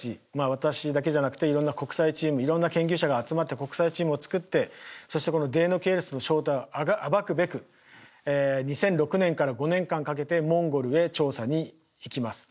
私だけじゃなくていろんな国際チームいろんな研究者が集まって国際チームを作ってそしてこのデイノケイルスの正体を暴くべく２００６年から５年間かけてモンゴルへ調査に行きます。